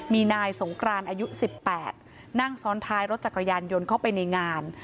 มีนายสงกรานอายุ๑๘นั่งซ้อนท้ายรถจักรยานยนต์เข้าไปในงาน